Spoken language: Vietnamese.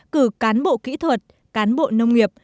cử cán bộ kỹ thuật cán bộ nông nghiệp